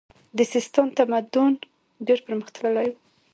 د سیستان تمدن ډیر پرمختللی و